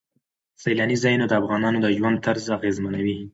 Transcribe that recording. سیلاني ځایونه د افغانانو د ژوند طرز اغېزمنوي.